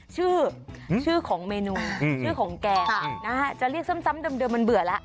ชื่อชื่อของเมนูชื่อของแกงจะเรียกซ้ำเดิมมันเบื่อแล้ว